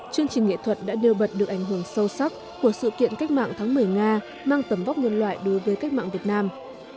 chương trình nghệ thuật đã nêu bật được ảnh hưởng sâu sắc của sự kiện cách mạng tháng một mươi nga mang tầm vóc nhân loại đối với cách mạng việt nam